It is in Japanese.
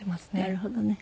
なるほどね。